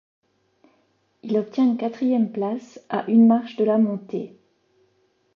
Il obtient une quatrième place, à une marche de la montée.